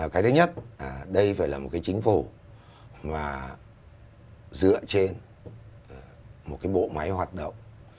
cái thứ nhất đây phải là một cái chính phủ mà dựa trên một cái bộ máy hoạt động